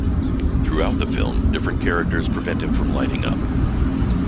Throughout the film, different characters prevent him from lighting up.